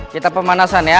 kita pemanasan ya